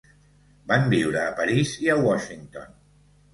Van viure a París i a Washington.